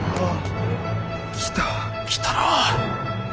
来た！来たな！